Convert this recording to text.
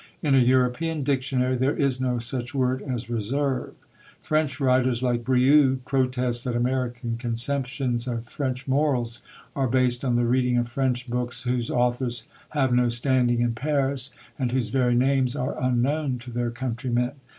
In a European dictionary there is no such word as "reserve." French writers like Brieux protest that American conceptions of French morals are based on the reading of French books whose authors have no standing in Paris, and whose very names are unknown to their countrymen.